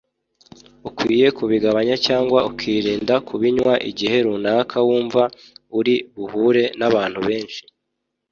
ukwiye kubigabanya cyangwa ukirinda kubinywa igihe runaka wumva uri buhure n’abantu benshi